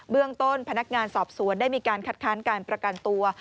เรื่องต้นพนักงานสอบสวนได้มีการคัดค้านการประกันตัว